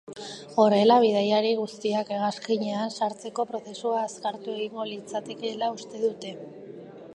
Horrela, bidaiari guztiak hegazkinean sartzeko prozesua azkartu egingo litzatekeela uste dute.